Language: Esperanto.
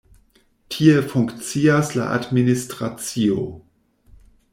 Tie funkcias la administracio.